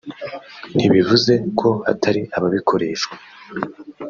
ntibivuze ko hatari ababikoreshwa